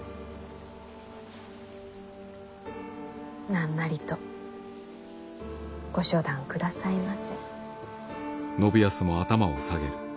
何なりとご処断くださいませ。